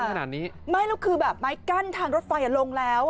ขนาดนี้ไม่แล้วคือแบบไม้กั้นทางรถไฟลงแล้ว